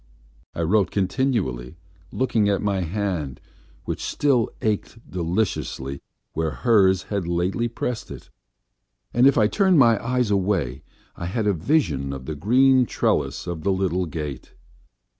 I wrote continually, looking at my hand, which still ached deliciously where hers had lately pressed it, and if I turned my eyes away I had a vision of the green trellis of the little gate.